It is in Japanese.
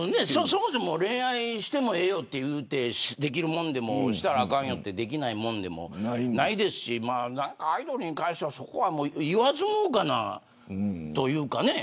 そもそも恋愛してもええよって言って、できるもんでもしたらあかんよって言われてできないもんでもないしアイドルに関しては言わずもがなというかね。